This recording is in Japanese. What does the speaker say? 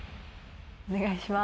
お願いします。